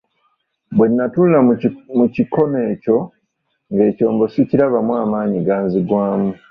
Bwe natunula mu kikono ekyo ng'ekyombo sikirabamu amaanyi ganzigwamu.